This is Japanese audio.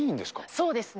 そうですね。